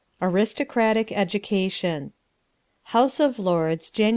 Aristocratic Education House of Lords, Jan.